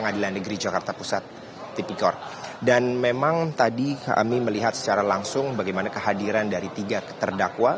dan memang tadi kami melihat secara langsung bagaimana kehadiran dari tiga terdakwa